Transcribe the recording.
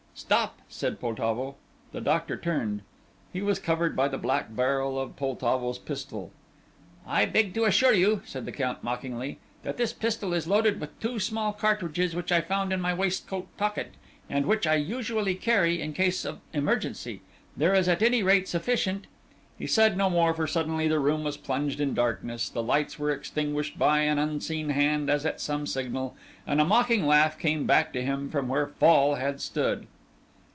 "Stop!" said Poltavo. The doctor turned. He was covered by the black barrel of Poltavo's pistol. "I beg to assure you," said the Count mockingly, "that this pistol is loaded with two small cartridges which I found in my waistcoat pocket, and which I usually carry in case of emergency. There is at any rate sufficient " He said no more, for suddenly the room was plunged in darkness, the lights were extinguished by an unseen hand as at some signal, and a mocking laugh came back to him from where Fall had stood.